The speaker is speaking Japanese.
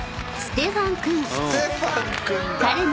ステファン君だ！